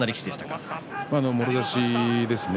もろ差しですね。